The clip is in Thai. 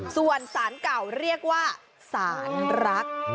ส่วนสารเก่าเรียกว่าสารรัก